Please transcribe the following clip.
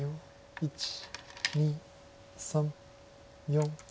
１２３４。